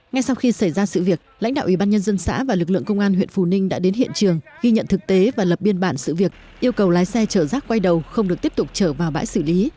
ngay sau khi xảy ra sự việc lãnh đạo ủy ban nhân dân xã và lực lượng công an huyện phù ninh đã đến hiện trường ghi nhận thực tế và lập biên bản sự việc yêu cầu lái xe chở rác quay đầu không được tiếp tục chở vào bãi xử lý